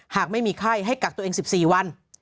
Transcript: หากไม่มีไข้ให้กักตัวเอง๑๔วัน